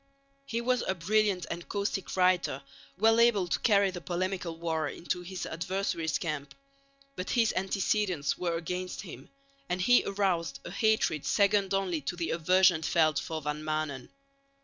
He was a brilliant and caustic writer, well able to carry the polemical war into his adversaries' camp. But his antecedents were against him, and he aroused a hatred second only to the aversion felt for Van Maanen.